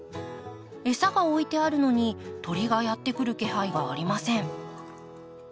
餌が置いてあるのに鳥がやって来る気配がありません。